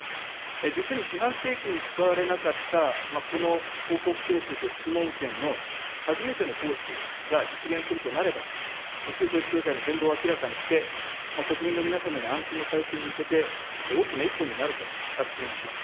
実に四半世紀に使われなかった、この報告徴収と質問権の初めての行使が実現するとなれば、旧統一教会の全貌を明らかにして、国民の皆様の安心の回復に向けて大きな一歩になると確信をします。